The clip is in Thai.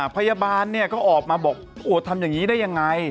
พยาบาลเนี่ยก็ออกมาบอกโอ้ทำอย่างนี้ได้ยังไง